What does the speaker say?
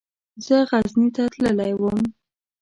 زه غزني ته تللی وم.